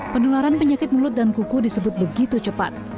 penularan penyakit mulut dan kuku disebut begitu cepat